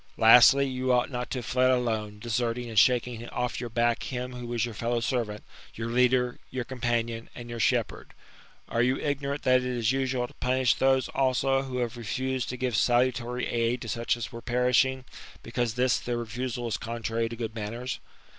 Lastly, you ought not to have fled alone, desart ing and shaking off your back him who was your fellow servant, your leader, your companion, and your shepherd. Are you ig norant that it is usual to punish those, also, who have refused to give salutary aid to such as were perishing, because this their refusal is contrary to good manners